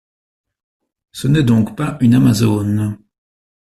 Ce n'est donc pas une amazone.